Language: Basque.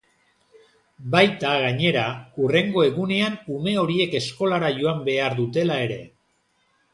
Baita, gainera, hurrengo egunean ume horiek eskolara joan behar dutela ere.